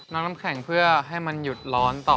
น้ำน้ำแข็งเพื่อให้มันหยุดร้อนต่อ